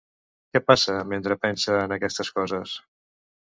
Què passa mentre pensa en aquestes coses?